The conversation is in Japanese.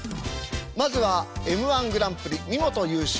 まずはＭ−１グランプリ見事優勝。